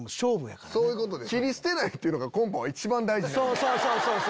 そうそうそうそう！